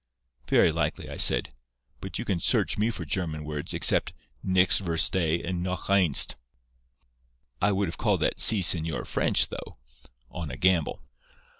"'Very likely,' I said. 'But you can search me for German words, except nix verstay and noch einst. I would have called that "See, señor" French, though, on a gamble.